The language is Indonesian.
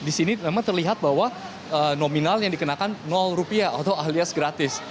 di sini memang terlihat bahwa nominal yang dikenakan rupiah atau alias gratis